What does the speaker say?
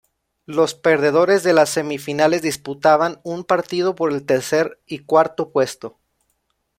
Los perdedores de las semifinales disputaban un partido por el tercer y cuarto puesto.